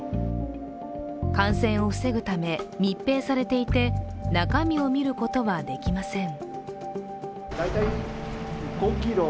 感染を防ぐため密閉されていて中身を見ることはできません。